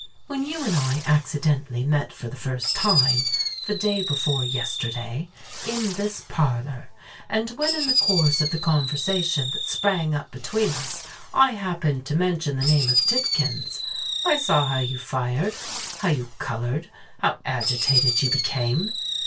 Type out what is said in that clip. "When you and I accidentally met for the first time, the day before yesterday, in this parlour, and when in the course of the conversation that sprang up between us, I happened to mention the name of Tidkins, I saw how you fired—how you coloured—how agitated you became.